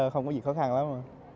không có gì khó khăn lắm